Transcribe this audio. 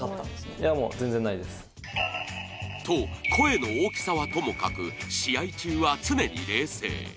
と、声の大きさはともかく試合中は常に冷静。